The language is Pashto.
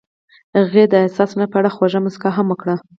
هغې د حساس لمر په اړه خوږه موسکا هم وکړه.